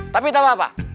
tapi tak apa apa